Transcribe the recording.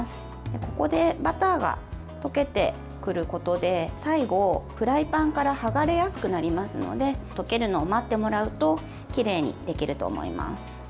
ここでバターが溶けてくることで最後、フライパンから剥がれやすくなりますので溶けるのを待ってもらうときれいにできると思います。